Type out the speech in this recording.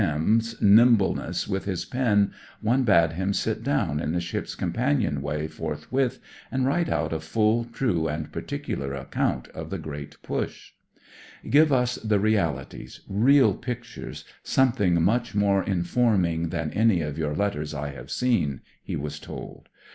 M 's nimble ness with his pen, one bade him sit down in the ship's companion way forthwith, and write out a full, true, and particular account of the Great Push. "Give us the realities, real pictures, something much more informing than any of your letters I have seen," he was told.